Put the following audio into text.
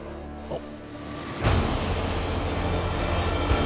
あっ！